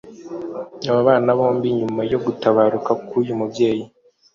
Aba bana bombi nyuma yo gutabaruka k’uyu mubyeyi